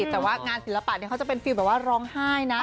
แต่ว่างานศิลปะเขาจะเป็นฟิลแบบว่าร้องไห้นะ